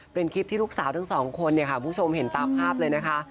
เป็นคลิปที่ลูกสาวทั้งสองคนเนี่ยค่ะคุณผู้ชมเห็นตามภาพเลยนะคะ